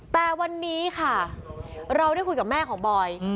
แต่วันนี้ค่ะเราได้คุยกับแม่ของบอย